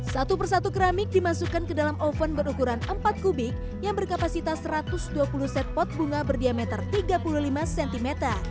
satu persatu keramik dimasukkan ke dalam oven berukuran empat kubik yang berkapasitas satu ratus dua puluh set pot bunga berdiameter tiga puluh lima cm